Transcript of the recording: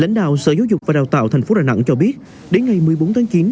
lãnh đạo sở giáo dục và đào tạo tp đà nẵng cho biết đến ngày một mươi bốn tháng chín